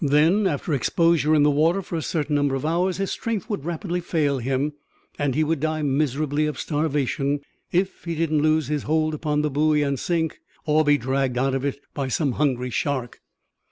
Then, after exposure in the water for a certain number of hours, his strength would rapidly fail him, and he would die miserably of starvation, if he did not lose his hold upon the buoy and sink, or be dragged out of it by some hungry shark."